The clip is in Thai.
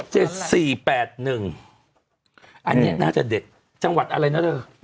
เจ็ดสี่แปดหนึ่งอันนี้น่าจะเด็ดจังหวัดอะไรนะเถอะ